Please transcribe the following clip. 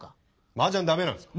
マージャン駄目なんですか？